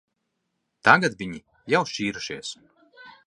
Tagad viņi jau šķīrušies.